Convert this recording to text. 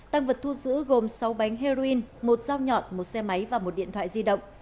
tăng vật thu giữ gồm sáu bánh heroin một dao nhọn một xe máy và một điện thoại di động